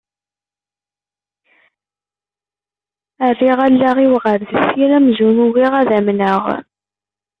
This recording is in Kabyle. Rriɣ allaɣ-iw ɣer deffir amzun ugiɣ ad amneɣ.